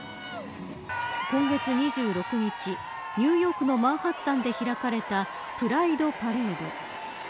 今月２６日、ニューヨークのマンハッタンで開かれたプライド・パレード。